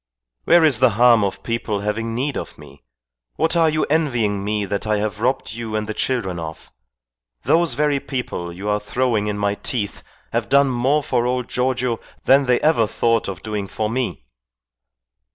Where is the harm of people having need of me? What are you envying me that I have robbed you and the children of? Those very people you are throwing in my teeth have done more for old Giorgio than they ever thought of doing for me."